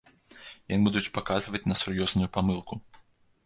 Яны будуць паказваць на сур'ёзную памылку.